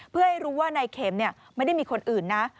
เพื่อให้รู้ว่านายเข็มไม่ได้มีคนอื่นนะ